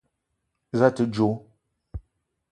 Za a te djo?